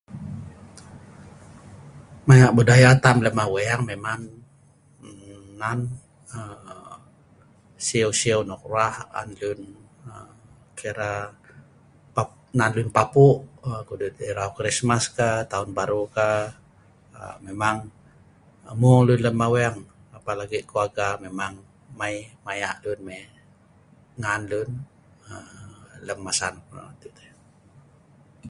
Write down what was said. mayak budaya tam lem aweng memang err nan err siu siu nok rah on lun err kira pa nan lun papuk err kudut irau krismas ka tahun baru ka err memang err mung lun lem aweng apalagi keluarga memang mei mayak lun mei ngan lun err lem masa nok nonoh dudut ai